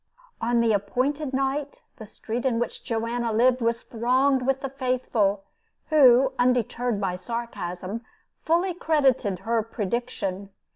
On the appointed night, the street in which Joanna lived was thronged with the faithful, who, undeterred by sarcasm, fully credited her prediction.